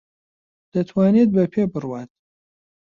دەتوانێت بە پێ بڕوات.